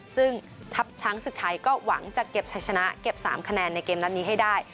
ซึ่งทัพช้างศึกไทยก็หวังจะเก็บชัยชนะเก็บ๓คะแนนในเกมนัดนี้ให้ได้